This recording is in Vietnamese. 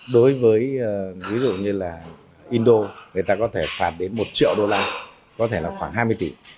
đối với ví dụ như là indo người ta có thể phạt đến một triệu đô la có thể là khoảng hai mươi tỷ